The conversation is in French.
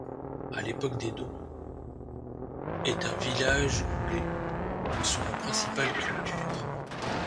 À l'époque d'Edo, est un village où les sont la principale culture.